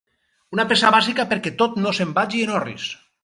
Una peça bàsica perquè tot no se'n vagi en orris.